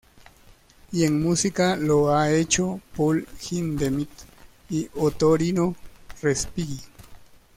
Y en música lo han hecho Paul Hindemith y Ottorino Respighi.